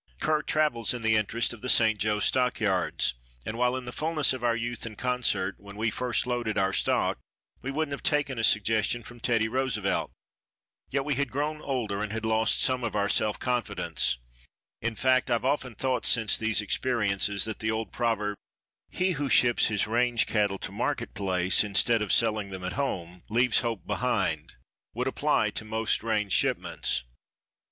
Kerr travels in the interest of the St. Joe stockyards, and while in the fullness of our youth and conceit when we first loaded our stock we wouldn't have taken a suggestion from Teddy Roosevelt, yet we had grown older and had lost some of our self confidence; in fact, I've often thought since these experiences that the old proverb, "He who ships his range cattle to market place of selling them at home leaves hope behind," would apply to most range shipments.